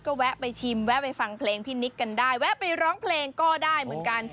ก็แวะไปชิมแวะไปฟังเพลงพี่นิกกันได้แวะไปร้องเพลงก็ได้เหมือนกัน